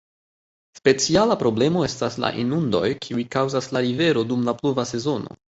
Speciala problemo estas la inundoj kiuj kaŭzas la rivero dum la pluva sezono.